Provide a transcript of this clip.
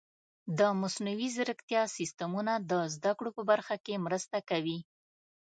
د مصنوعي ځیرکتیا سیستمونه د زده کړو په برخه کې مرسته کوي.